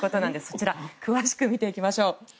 こちら詳しく見ていきましょう。